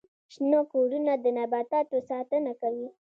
شنه کورونه د نباتاتو ساتنه کوي